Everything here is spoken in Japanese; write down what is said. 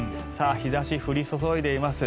日差しが降り注いでいます。